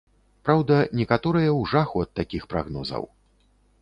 Праўда, некаторыя ў жаху ад такіх прагнозаў.